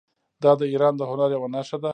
دا د ایران د هنر یوه نښه ده.